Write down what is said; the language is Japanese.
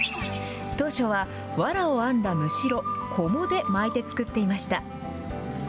当初はワラを編んだむしろ、こもで巻いて作っていました。